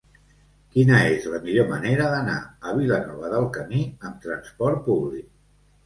Quina és la millor manera d'anar a Vilanova del Camí amb trasport públic?